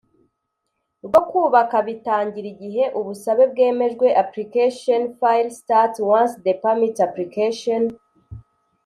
rwo kubaka bitangira igihe ubusabe bwemejwe application file starts once the permit application